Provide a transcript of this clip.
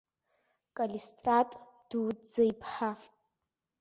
Калистрат дуӡӡа иԥҳа.